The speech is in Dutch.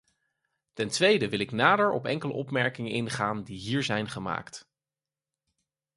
Ten tweede wil ik nader op enkele opmerkingen ingaan die hier zijn gemaakt.